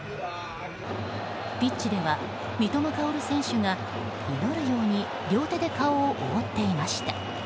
ピッチでは三笘薫選手が祈るように両手で顔を覆っていました。